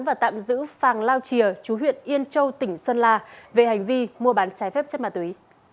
và tạm giữ phàng lao chìa chú huyện yên châu tỉnh sơn la về hành vi mua bán trái phép chất ma túy